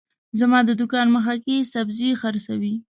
زما د دوکان مخه کي سبزي حرڅوي